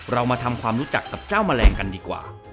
เรามาทำความรู้จักกับเจ้าแมลงกันดีกว่า